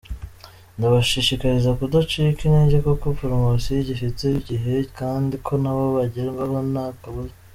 Ndabashishikariza kudacika intege kuko promosiyo igifite igihe kandi ko nabo bagerwaho nta kabuza.